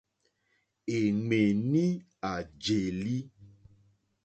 È ɱwèní à jèlí.